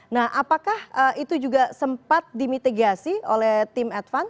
nah apakah itu juga sempat dimitigasi oleh tim advance